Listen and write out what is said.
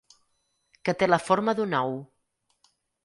Que té la forma d'un ou.